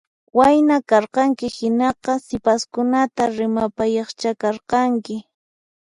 Wayna karqanki hinaqa sipaskunata rimapayaqcha karqanki